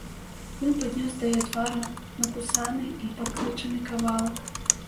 Ён паднёс да яе твару накусаны і паклычаны кавалак.